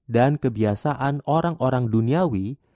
kebiasaan orang orang duniawi